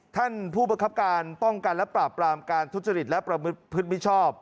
ท่านผู้ประคับการป้องกันและปราบปรามการทุจริตและประพฤติมิชชอบ